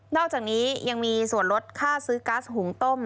อกจากนี้ยังมีส่วนลดค่าซื้อกัสหุงต้ม